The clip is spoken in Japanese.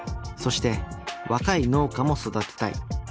そして若い農家も育てたい。